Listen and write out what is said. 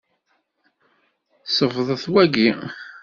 Ṣfeḍet wagi.